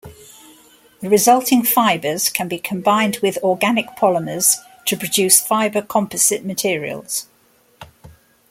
The resulting fibers can be combined with organic polymers to produce fiber composite materials.